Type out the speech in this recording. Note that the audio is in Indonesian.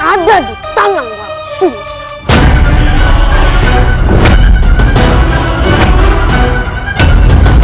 yang ada di tangan warasimu